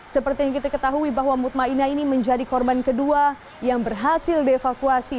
seperti yang kita ketahui bahwa mutma inah ini menjadi korban kedua yang berhasil devakuasi